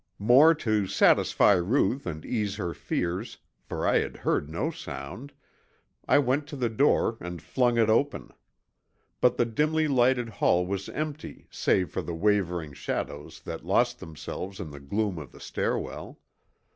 More to satisfy Ruth and ease her fears, for I had heard no sound, I went to the door and flung it open. But the dimly lighted hall was empty save for the wavering shadows that lost themselves in the gloom of the stairwell.